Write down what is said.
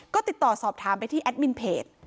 ก็ติดต่อสอบถามไปที่แอดมินเพจ